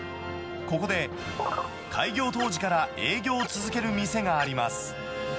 ここで開業当時から営業を続ける店があります。